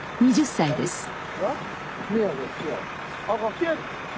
２０歳です。